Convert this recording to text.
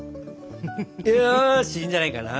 よしいいんじゃないかな。